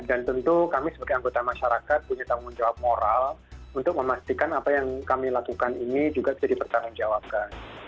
dan tentu kami sebagai anggota masyarakat punya tanggung jawab moral untuk memastikan apa yang kami lakukan ini juga bisa dipertanggung jawabkan